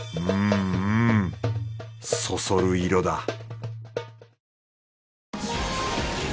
うんうんそそる色だ